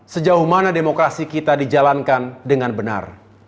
sejauh mana demokrasi kita dijalankan dengan benar